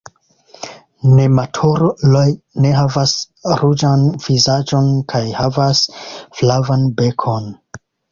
Nematuruloj ne havas ruĝan vizaĝon kaj havas flavan bekon.